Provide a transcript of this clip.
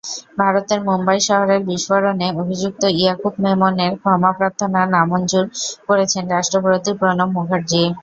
ভারতের মুম্বাই শহরের বিস্ফোরণে অভিযুক্ত ইয়াকুব মেমনের ক্ষমাপ্রার্থনা নামঞ্জুর করেছেন রাষ্ট্রপতি প্রণব মুখার্জি।